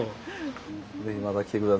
ぜひまた来て下さい。